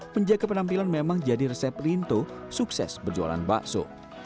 penjaga penampilan memang jadi resep rinto sukses berjualan bakso